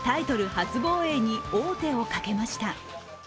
初防衛に王手をかけました。